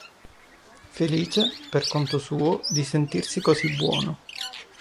Felice, per conto suo, di sentirsi così buono.